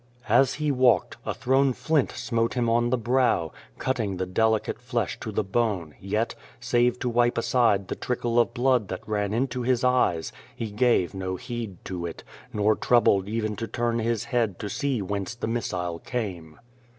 As He walked, a thrown flint smote Him on the brow, cutting the delicate flesh to the bone, yet, save to wipe aside the trickle of blood that ran into His eyes, He gave no heed to it, nor troubled even to turn His head to see whence the missile came.